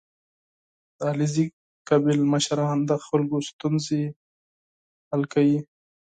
• د علیزي قوم مشران د خلکو ستونزې حل کوي.